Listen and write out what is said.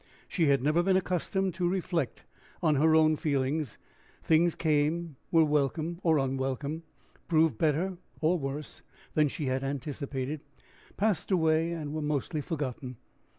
She had never been accustomed to reflect on her own feelings; things came, were welcome or unwelcome, proved better or worse than she had anticipated, passed away, and were mostly forgotten.